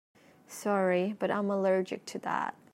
Sorry but I'm allergic to that.